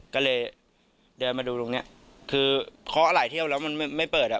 ก็เลยเดินมาดูตรงเนี้ยคือเคาะหลายเที่ยวแล้วมันไม่เปิดอ่ะ